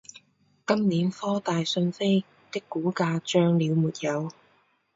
今年科大讯飞的股价涨了没有？